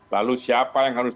lalu siapa yang harus